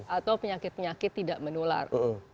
atau penyakit penyakit tidak menular